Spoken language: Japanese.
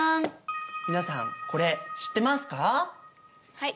はい。